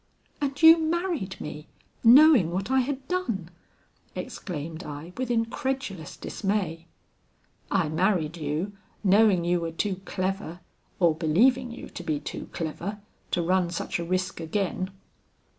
"'And you married me knowing what I had done!' exclaimed I, with incredulous dismay. "'I married you, knowing you were too clever, or believing you to be too clever, to run such a risk again.'